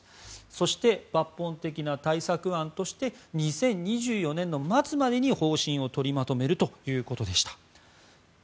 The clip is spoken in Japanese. そして、抜本的な対策案として２０２４年の末までに方針を取りまとめるということでした。